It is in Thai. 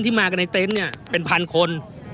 ที่มาในเต้นเนี่ยเป็นพันคน